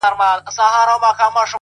مجاهد د خداى لپاره دى لوېــدلى،